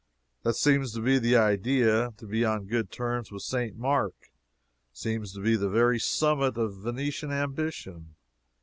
That seems to be the idea. To be on good terms with St. Mark, seems to be the very summit of Venetian ambition.